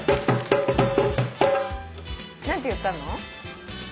何て言ったの？